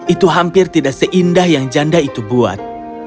itu hampir tidak seindah yang janda itu buat